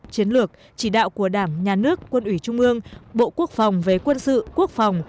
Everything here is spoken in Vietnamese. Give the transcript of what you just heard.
chiến lược chỉ đạo của đảng nhà nước quân ủy trung ương bộ quốc phòng về quân sự quốc phòng